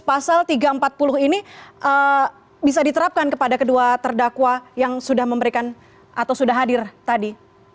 pasal tiga ratus empat puluh ini bisa diterapkan kepada kedua terdakwa yang sudah memberikan atau sudah hadir tadi